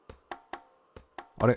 あれ？